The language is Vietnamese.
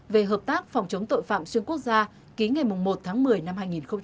về hợp tác phòng chống tội phạm xuyên quốc gia ký ngày một tháng một mươi năm hai nghìn hai mươi